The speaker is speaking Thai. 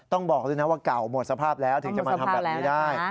บอกด้วยนะว่าเก่าหมดสภาพแล้วถึงจะมาทำแบบนี้ได้